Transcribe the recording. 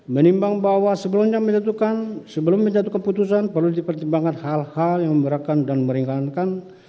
menimbang bahwa sebelum menjatuhkan putusan perlu dipertimbangkan hal hal yang memberakan dan meringankan